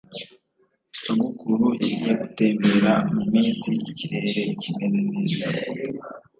Sogokuru yagiye gutembera muminsi ikirere kimeze neza